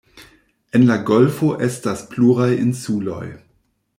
En la golfo estas pluraj insuloj.